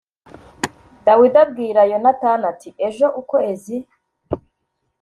Dawidi abwira yonatani ati ejo ukwezi